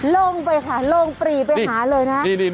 ลงไปค่ะลงปรีไปหาเลยนะ